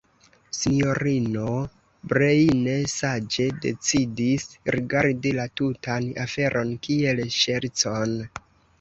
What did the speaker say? Sinjorino Breine saĝe decidis rigardi la tutan aferon kiel ŝercon.